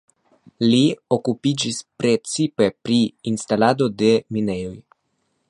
Li okupiĝis precipe pri instalado de minejoj.